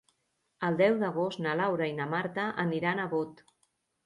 El deu d'agost na Laura i na Marta aniran a Bot.